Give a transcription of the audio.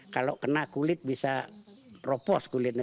kalau kena kulit bisa ropos kulitnya